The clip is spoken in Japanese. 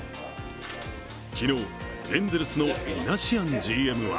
昨日、エンゼルスのミナシアンＧＭは